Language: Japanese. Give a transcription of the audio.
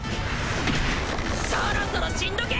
そろそろ死んどけ！